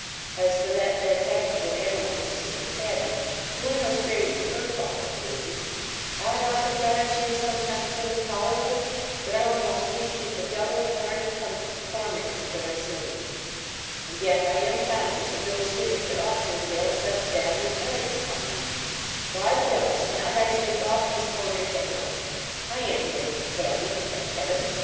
As for that fantastical animal, my sister Tabby, you are no stranger to her qualifications I vow to God, she is sometimes so intolerable, that I almost think she's the devil incarnate come to torment me for my sins; and yet I am conscious of no sins that ought to entail such family plagues upon me why the devil should not I shake off these torments at once? I an't married to Tabby, thank Heaven!